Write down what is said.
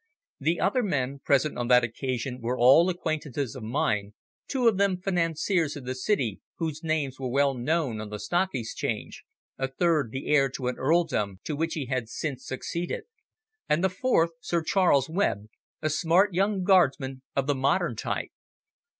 The other men present on that occasion were all acquaintances of mine, two of them financiers in the City whose names were well known on the Stock Exchange, a third the heir to an earldom to which he had since succeeded, and the fourth Sir Charles Webb, a smart young Guardsman of the modern type.